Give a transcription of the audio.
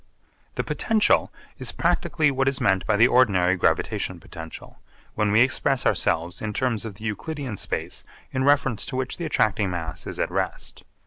The potential is practically what is meant by the ordinary gravitation potential, when we express ourselves in terms of the Euclidean space in reference to which the attracting mass is at rest.